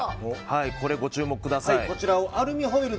ご注目ください。